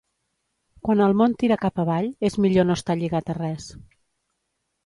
Quan el món tira cap avall, és millor no estar lligat a res.